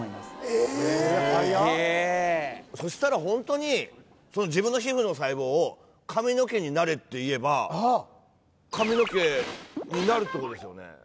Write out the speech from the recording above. スゲーそしたらホントに自分の皮膚の細胞を「髪の毛になれ」っていえば髪の毛になるってことですよね